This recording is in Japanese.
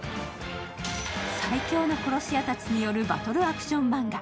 最恐の殺し屋たちによるバトルアクションマンガ。